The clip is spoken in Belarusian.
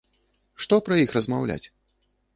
Што пра іх размаўляць?